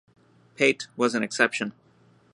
Paete was an exception.